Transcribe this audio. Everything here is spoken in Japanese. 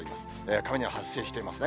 雷発生していますね。